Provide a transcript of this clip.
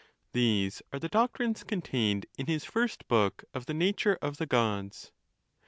These are the doctrines contained in his first book of the Nature of the Gods.